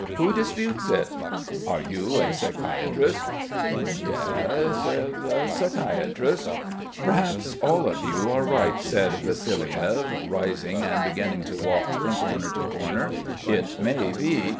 "Who disputes it?" "Are you a psychiatrist?" "Yes s, a psychiatrist." "Perhaps all of you are right," said Vassiliev, rising and beginning to walk from corner to corner. "It may be.